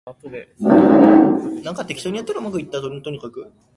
Furthermore, not all enhancement software was compatible with all programs.